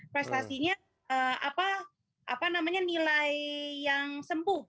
prestasinya apa namanya nilai yang sempuh